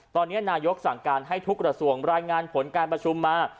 ตอนนี้นายกสั่งการให้ทุกกระทรวงรายงานผลการประชุมมา